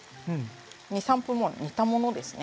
２３分もう煮たものですね。